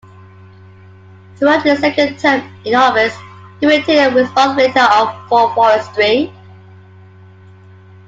Throughout his second term in office, he retained responsibility for Forestry.